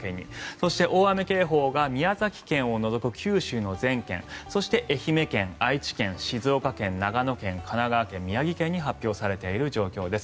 そして、大雨警報が宮崎県を除く九州の全県そして愛媛県、愛知県静岡県、長野県神奈川県、宮城県に発表されている状況です。